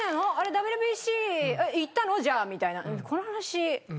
ＷＢＣ行ったの？じゃあ」みたいな。